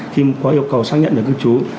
khi có yêu cầu xác nhận về cư trú